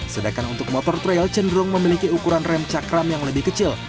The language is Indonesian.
sedangkan untuk motor trail cenderung memiliki ukuran rem cakram yang lebih kecil